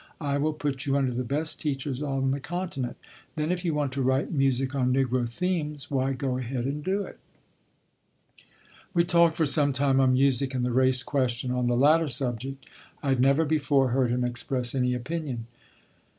I will put you under the best teachers on the Continent. Then if you want to write music on Negro themes, why, go ahead and do it." We talked for some time on music and the race question. On the latter subject I had never before heard him express any opinion.